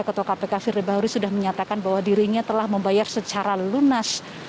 ketua kpk firly bahuri sudah menyatakan bahwa dirinya telah membayar secara lunas